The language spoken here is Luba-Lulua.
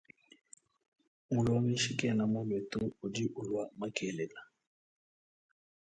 Mulongeshi kena mulue to udi ulua makelela.